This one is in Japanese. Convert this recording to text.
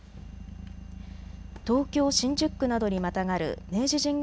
東京新宿区などにまたがる明治神宮